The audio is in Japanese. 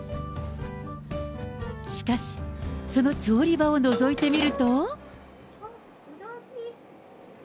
しかし、その調理場をのぞいてみると。